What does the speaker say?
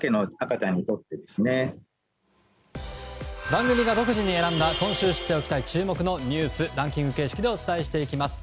番組が独自に選んだ今週知っておきたいニュースランキング形式でお伝えします。